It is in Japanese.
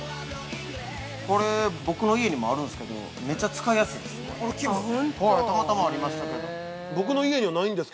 ◆これ僕の家にもあるんですけどめっちゃ使いやすいです。